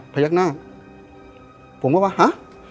ยักหน้าผมก็ว่าฮะ